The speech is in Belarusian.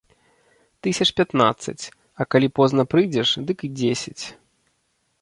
Тысяч пятнаццаць, а калі позна прыйдзеш, дык і дзесяць.